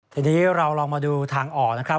ทีนี้เราลองมาดูทางออกนะครับ